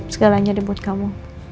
segalanya deh buat kamu